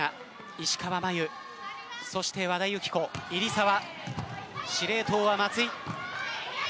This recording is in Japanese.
石川真佑そして和田由紀子、入澤司令塔は松井。